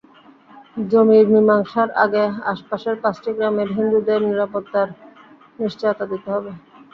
জমির মীমাংসার আগে আশপাশের পাঁচটি গ্রামের হিন্দুদের নিরাপত্তার নিশ্চয়তা দিতে হবে।